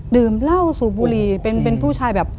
ดื่มเหล้าสูบบุหรี่เป็นผู้ชายแบบ